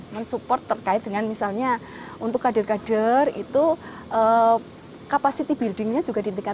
mensupport terkait dengan misalnya untuk kader kader itu kapasiti buildingnya juga diintikkan